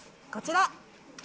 こちら。